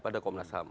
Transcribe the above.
pada komnas ham